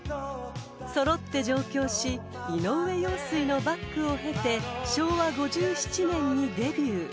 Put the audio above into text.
［揃って上京し井上陽水のバックを経て昭和５７年にデビュー］